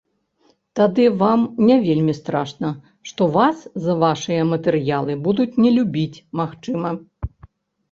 Тады вам не вельмі страшна, што вас за вашыя матэрыялы будуць не любіць, магчыма.